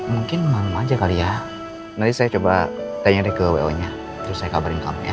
mungkin malu aja kali ya nanti saya coba tanya deh ke wo nya terus saya kabarin kamu ya